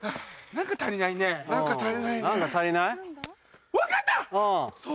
何か足りない？